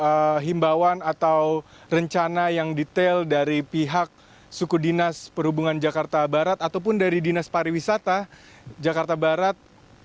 ada himbauan atau rencana yang detail dari pihak suku dinas perhubungan jakarta barat ataupun dari dinas pariwisata jakarta barat